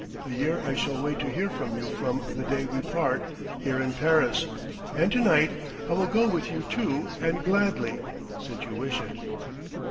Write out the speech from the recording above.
A year I shall wait to hear from you from the day we part, here in Paris.... And to night, I will go with you, too, and gladly, since you wish it!"